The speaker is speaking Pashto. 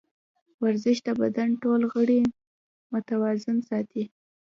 ورزش د بدن ټول غړي متوازن ساتي.